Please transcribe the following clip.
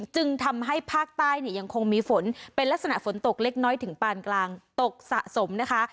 จึงทำให้ภาคใต้เนี่ยยังคงมีฝนเป็นลักษณะฝนตกเล็กน้อยถึงปานกลางตกสะสมนะคะ